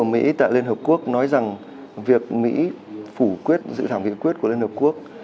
mỹ tại liên hợp quốc nói rằng việc mỹ phủ quyết dự thảm kỷ quyết của liên hợp quốc